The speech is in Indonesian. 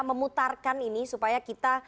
memutarkan ini supaya kita